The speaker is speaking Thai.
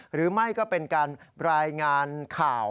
หรือไม่ก็เป็นการรายงานข่าว